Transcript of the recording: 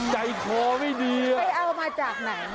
ใจคอไม่ดีไปเอามาจากไหน